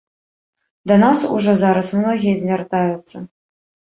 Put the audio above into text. Да нас ужо зараз многія звяртаюцца.